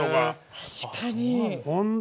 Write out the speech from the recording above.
確かに。